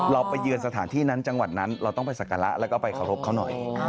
เราไปเยือนสถานที่นั้นจังหวัดนั้นเราต้องไปสักการะแล้วก็ไปเคารพเขาหน่อย